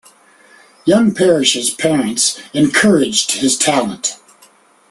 Young Parrish's parents encouraged his talent.